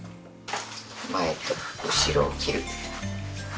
前と後ろを切る。